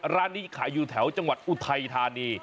ร้านนี้ขายอยู่แถวจังหวัดอุทัยธานี